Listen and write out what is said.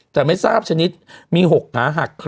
แต่ไม่ทราบชนิดมี๖ขาหัก